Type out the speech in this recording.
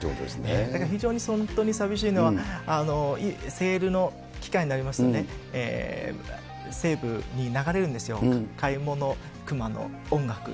だから非常に本当に寂しいのは、セールの期間になりますとね、西武に流れるんですよ、買い物の音楽が。